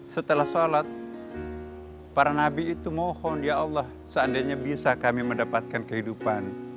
setelah sholat para nabi itu mohon ya allah seandainya bisa kami mendapatkan kehidupan